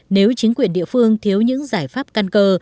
nếu chính quyền địa phương thiếu những giải pháp căn cơ